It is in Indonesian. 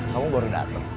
kamu baru datang